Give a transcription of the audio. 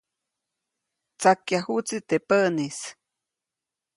Tsakyajuʼtsi teʼ päʼnis.